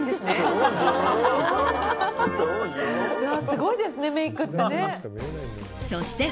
すごいですね、メイクって。